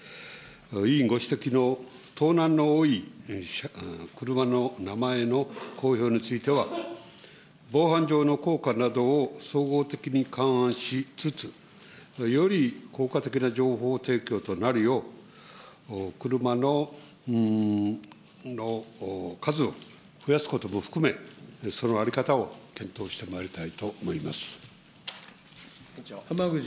委員ご指摘の盗難の多い車の名前の公表については、防犯上の効果などを総合的に勘案しつつ、より効果的な情報提供となるよう、車の数を増やすことも含め、その在り方を検討してまいりたいと思います。